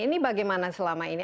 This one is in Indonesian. ini bagaimana selama ini